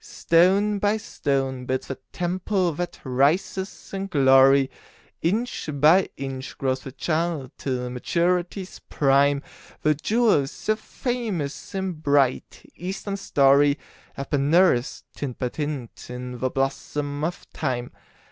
Stone by stone builds the temple that rises in glory, Inch by inch grows the child till maturity's prime; The jewels so famous in bright, Eastern story Have been nursed, tint by tint, in the blossom of Time.